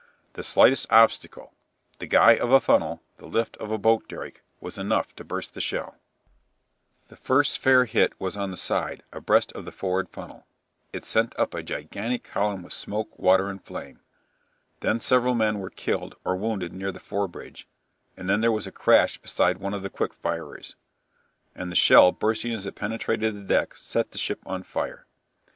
The slightest obstacle the guy of a funnel, the lift of a boat derrick was enough to burst the shell. [Illustration: BATTLE OF TSU SHIMA DIAGRAMS OF MOVEMENTS DURING THE FIGHTING OF MAY 27TH] The first fair hit was on the side, abreast of the forward funnel. It sent up a "gigantic column of smoke, water, and flame." Then several men were killed and wounded near the fore bridge, and then there was a crash beside one of the quick firers, and, the shell bursting as it penetrated the deck, set the ship on fire.